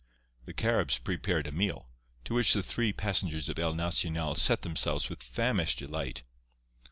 The Caribs prepared a meal, to which the three passengers of El Nacional set themselves with famished delight.